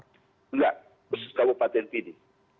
enggak khusus kabupaten pdi